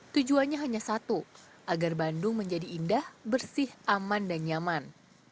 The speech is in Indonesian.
tujuannya hanya satu agar bandung menjadi indah bersih aman dan nyaman